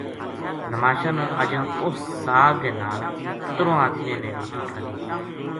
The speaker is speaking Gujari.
نماشاں نا اَجاں اُس ساگ کے نا ل ترواں ادمیاں نے روٹی کھادی تھی